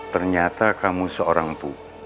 ternyata kamu seorang empu